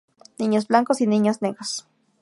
Niños blancos y niños negros.